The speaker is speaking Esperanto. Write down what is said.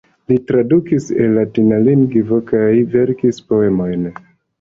Li tradukis el latina lingvo kaj verkis poemojn.